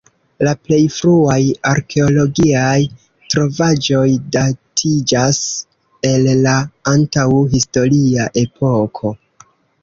La plej fruaj arkeologiaj trovaĵoj datiĝas el la antaŭ-historia epoko.